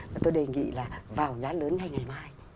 và tôi đề nghị là vào nhán lớn ngay ngày mai